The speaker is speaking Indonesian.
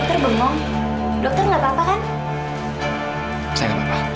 kok dokter bengong dokter gak apa apa kan